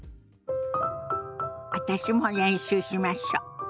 私も練習しましょ。